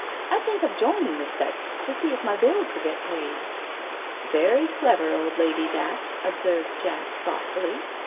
I think of joining the sect to see if my bills wilj get paid." *' Very clever old lady that I " observed Jack thought fully.